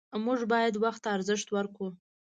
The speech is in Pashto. موږ باید وخت ته ارزښت ورکړو